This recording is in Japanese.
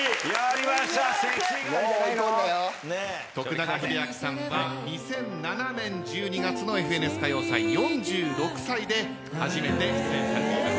永明さんは２００７年１２月の４６歳で初めて出演されています。